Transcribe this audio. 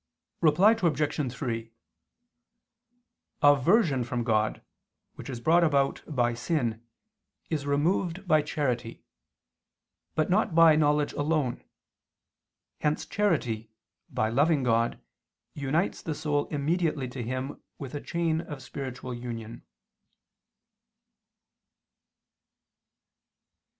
Reply Obj. 3: Aversion from God, which is brought about by sin, is removed by charity, but not by knowledge alone: hence charity, by loving God, unites the soul immediately to Him with a chain of spiritual union.